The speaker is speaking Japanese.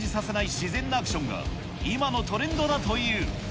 自然なアクションが、今のトレンドだという。